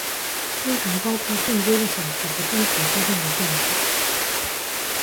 通常包括正规的小学和中学阶段的教育。